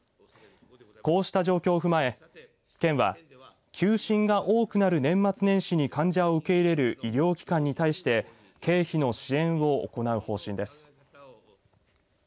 こうした状況を踏まえ県は休診が多くなる年末年始に患者を受け入れる医療機関に対して経費の支援を行う方針です。